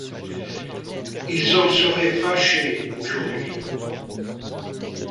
Ils en seraient fâchés aujourd'hui.